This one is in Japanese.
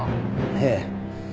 ええ。